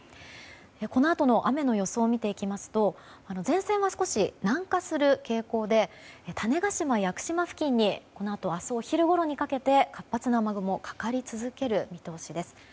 このあとの雨の予想を見ていきますと前線は少し南下する傾向で種子島、屋久島付近に明日お昼ごろにかけて活発な雨雲がかかり続ける見通しです。